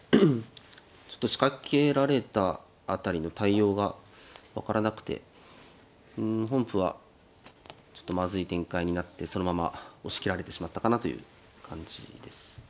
ちょっと仕掛けられた辺りの対応が分からなくてうん本譜はちょっとまずい展開になってそのまま押し切られてしまったかなという感じです。